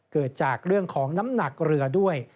เกิดจากเรื่องของน้ำหนักเรือด้วย